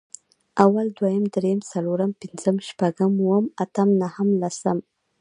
اول، دويم، درېيم، څلورم، پنځم، شپږم، اووم، اتم، نهم، لسم